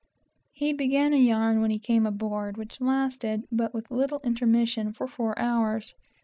He began a "yarn" when he came on board, which lasted, with but little intermission, for four hours.